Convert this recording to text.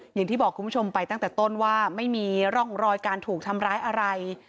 อย่างที่บอกคุณผู้ชมไปตั้งแต่ต้นว่าไม่มีร่องรอยการถูกทำร้ายอะไร